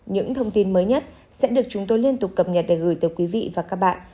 những thông tin mới nhất sẽ được chúng tôi liên tục cập nhật để gửi tới quý vị và các bạn